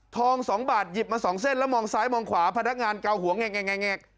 ๒บาทหยิบมา๒เส้นแล้วมองซ้ายมองขวาพนักงานเกาหัวแงก